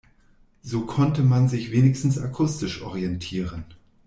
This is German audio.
So konnte man sich wenigstens akustisch orientieren.